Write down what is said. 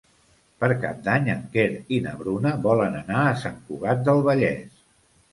Per Cap d'Any en Quer i na Bruna volen anar a Sant Cugat del Vallès.